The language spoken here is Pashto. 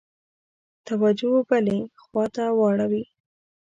توجه بلي خواته واړوي.